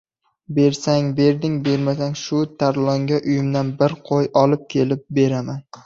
— Bersang berding, bermasang, shu Tarlonga uyimdan bir qo‘y olib kelib beraman!